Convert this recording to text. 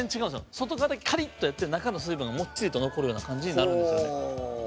外側だけカリッとやって中の水分がモッチリと残るような感じになるんですよね。